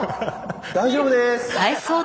大丈夫です。